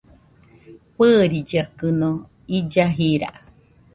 Fɨɨrillakɨno illa jira